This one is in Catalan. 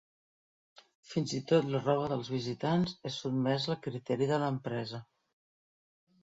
Fins i tot la roba dels visitants és sotmesa al criteri de l'empresa.